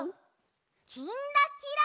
「きんらきら」。